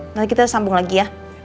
nanti kita sambung lagi ya